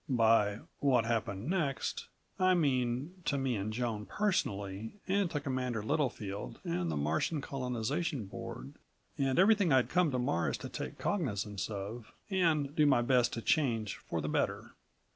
By "what happened next" I mean ... to me and Joan personally and to Commander Littlefield and the Martian Colonization Board and everything I'd come to Mars to take cognizance of, and do my best to change for the better.